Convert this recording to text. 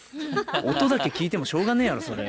音だけ聴いてもしょうがないやろそれ。